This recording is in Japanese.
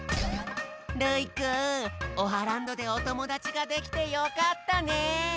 るいくんオハランドでおともだちができてよかったね。